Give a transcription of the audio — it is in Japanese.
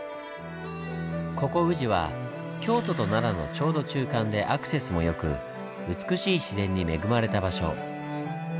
ここ宇治は京都と奈良のちょうど中間でアクセスも良く美しい自然に恵まれた場所。